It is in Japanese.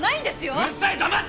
うるさい黙ってろ！